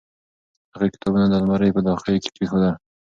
هغې کتابونه د المارۍ په داخل کې کېښودل.